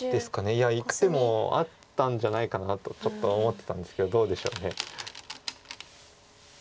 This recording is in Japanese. いやいく手もあったんじゃないかなとちょっと思ってたんですけどどうでしょう。